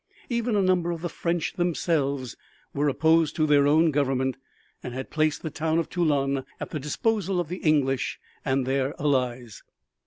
Even a number of the French themselves were opposed to their own government and had placed the town of Toulon at the disposal of the English and their allies.